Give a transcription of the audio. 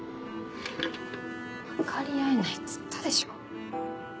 分かり合えないっつったでしょ。